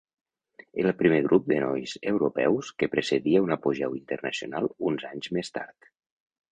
Era el primer grup de nois europeus que precedia un apogeu internacional uns anys més tard.